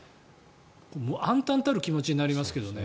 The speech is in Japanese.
暗たんたる気持ちになりますけどね。